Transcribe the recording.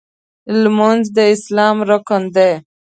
لمونځ د اسلام رکن دی.